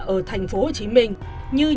ở thành phố hồ chí minh như